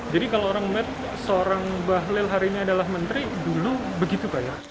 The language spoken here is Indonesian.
jadi kalau orang med seorang bahlil harini adalah menteri dulu begitu kaya